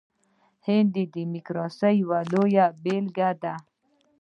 هند د ډیموکراسۍ یوه لویه بیلګه ده.